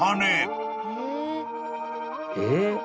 えっ？